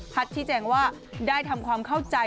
ฮัตที่แจ่งว่าได้ทำความเข้าใจ